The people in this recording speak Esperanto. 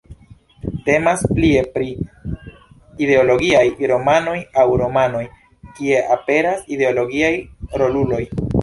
Temas plie pri ideologiaj romanoj aŭ romanoj, kie aperas ideologiaj roluloj.